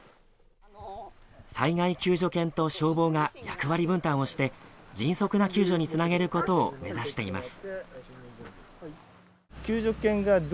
災害救助犬と消防が役割分担をして迅速な救助につなげることを目指しています。